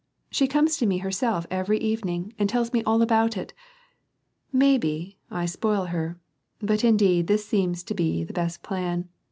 She comes to me herself every evening, and tells me all about it. Maybe, I spoil her, but indeed this seems to be the best plan.